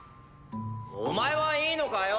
お前はいいのかよ？